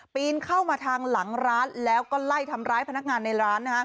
เข้ามาทางหลังร้านแล้วก็ไล่ทำร้ายพนักงานในร้าน